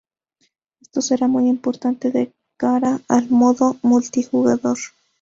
Esto será muy importante de cara al modo multijugador.